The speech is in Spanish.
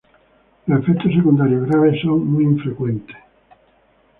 Los efectos secundarios graves son muy infrecuentes.